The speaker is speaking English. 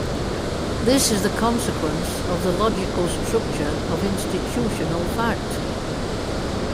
This is the consequence of the logical structure of institutional fact.